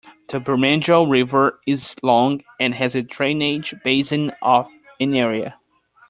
The Bermejo River is long and has a drainage basin of in area.